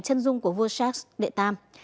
chân dung của vua charles viii